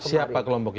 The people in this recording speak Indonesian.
siapa kelompok itu